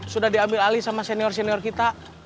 sudah diambil alih sama senior senior kita